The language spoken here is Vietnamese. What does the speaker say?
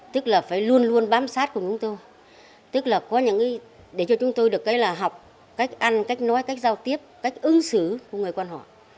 tức là có những cái để cho chúng tôi được cái là học cách ăn cách nói cách giao tiếp cách ứng xử của người quán họ